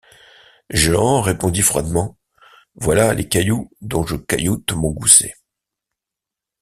Jehan répondit froidement: — Voilà les cailloux dont je cailloute mon gousset.